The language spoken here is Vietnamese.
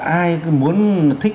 ai muốn thích